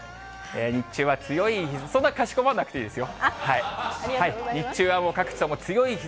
日中はすごい強い、そんなかしこまんなくていいですよ。